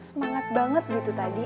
semangat banget gitu tadi